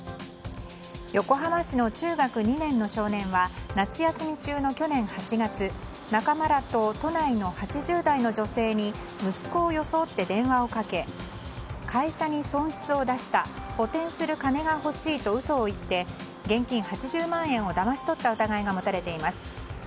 横浜市の中学２年の少年は夏休み中の去年８月仲間らと都内の８０代の女性に息子を装って電話をかけ会社に損失を出した補填する金が欲しいと嘘を言って現金８０万円をだまし取った疑いが持たれています。